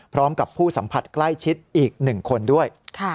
พร้อมกับผู้สัมผัสใกล้ชิดอีก๑คนด้วย